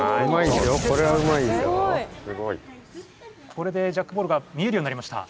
これでジャックボールが見えるようになりました。